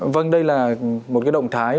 vâng đây là một cái động thái